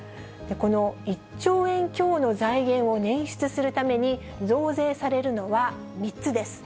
この１兆円強の財源をねん出するために、増税されるのは３つです。